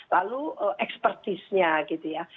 lalu ekspertisnya gitu ya